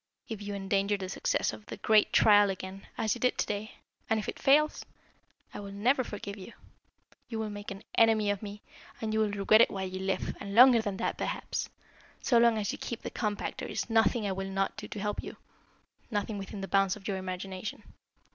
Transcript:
If you endanger the success of the great trial again, as you did to day, and if it fails, I will never forgive you. You will make an enemy of me, and you will regret it while you live, and longer than that, perhaps. So long as you keep the compact there is nothing I will not do to help you nothing within the bounds of your imagination.